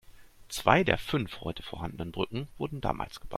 Zwei der fünf heute vorhandenen Brücken wurden damals gebaut.